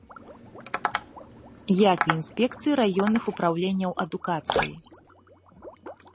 Як і інспекцыі раённых упраўленняў адукацыі.